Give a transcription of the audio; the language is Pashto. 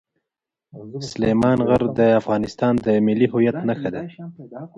سلیمان غر د افغانستان د ملي هویت نښه ده.